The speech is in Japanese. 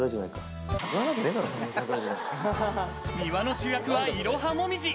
庭の主役はイロハモミジ。